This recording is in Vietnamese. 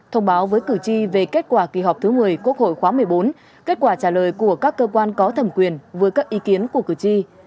thông báo với cử tri về kết quả kỳ họp thứ một mươi quốc hội khóa một mươi bốn kết quả trả lời của các cơ quan có thẩm quyền với các ý kiến của cử tri